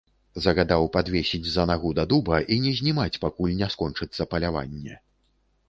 Загадаў падвесіць за нагу да дуба і не знімаць, пакуль не скончыцца паляванне.